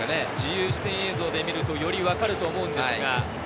自由視点映像で見るとより分かると思います。